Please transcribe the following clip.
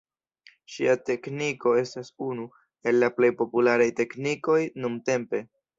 Ŝia tekniko estas unu el la plej popularaj teknikoj nuntempe.